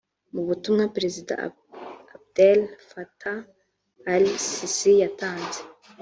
Mu butumwa Perezida Abdel Fattah Al Sisi yatanze